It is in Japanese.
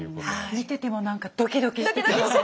見てても何かドキドキしてきます。